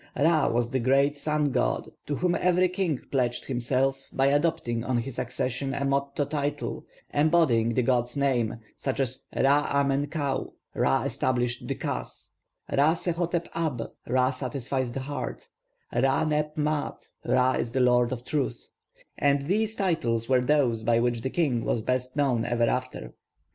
Ra was the great sun god, to whom every king pledged himself, by adopting on his accession a motto title embodying the god's name, such as Ra men kau, 'Ra established the kas,' Ra sehotep ab, 'Ra satisfies the heart,' Ra neb maat, 'Ra is the lord of truth'; and these titles were those by which the king was best known ever after.